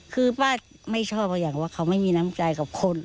คือป้าไม่ชอบอย่างว่าเขาไม่มีน้ำใจกับคน